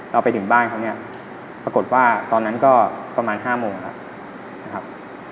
เราไปถึงบ้านเขาปรากฏว่าตอนนั้นก็ประมาณ๕โมงแล้ว